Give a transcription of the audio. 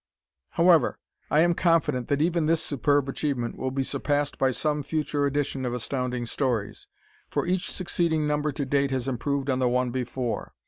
However, I am confident that even this superb achievement will be surpassed by some future edition of Astounding Stories, for each succeeding number to date has improved on the one before.